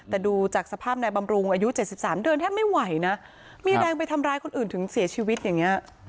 แต่ดูจากสภาพนายบำรุงอายุ๗๓เดือนแทบไม่ไหวนะมีแรงไปทำร้ายคนอื่นถึงเสียชีวิตอย่างนี้